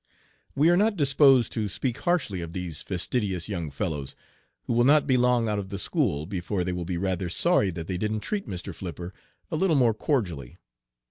"We are not disposed to speak harshly of these fastidious young fellows, who will not be long out of the school before they will be rather sorry that they didn't treat Mr. Flipper a little more cordially.